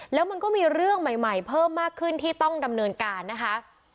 แล้วมันก็มีเรื่องใหม่เพิ่มมากขึ้นที่ต้องดำเนินการนะคะ